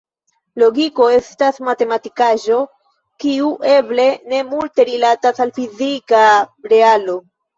Logiko estas matematikaĵo, kiu eble ne multe rilatas al fizika realo.